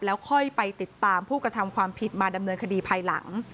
แล้วค่อยไปติดตามผู้กระทำความผิดมาดำเนินคดีภายหลัง